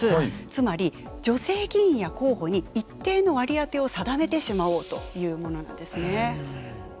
つまり女性議員や候補に一定の割り当てを定めてしまおうというものなんですね。